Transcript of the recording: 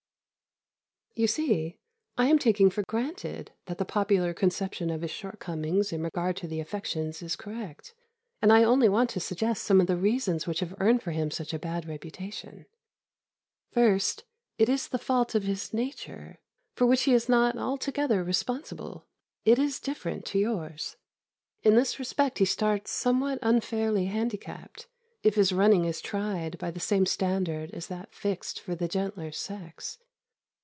You see, I am taking for granted that the popular conception of his shortcomings in regard to the affections is correct, and I only want to suggest some of the reasons which have earned for him such a bad reputation. First, it is the fault of his nature, for which he is not altogether responsible; it is different to yours. In this respect he starts somewhat unfairly handicapped, if his running is tried by the same standard as that fixed for the gentler sex.